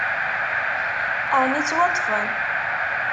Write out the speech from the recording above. Ɛni ttwaṭṭfen?